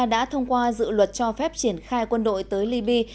dự luật cho phép triển khai quân đội tới lyby